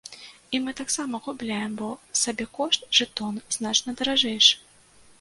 І мы таксама губляем, бо сабекошт жэтона значна даражэйшы.